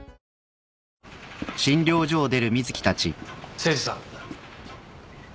誠司さん。